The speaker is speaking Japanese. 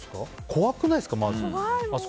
怖くないですか？